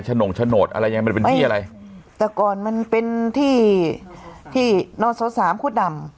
โหน่งโฉนดอะไรยังไงมันเป็นที่อะไรแต่ก่อนมันเป็นที่ที่นอนสอสามคุดดำ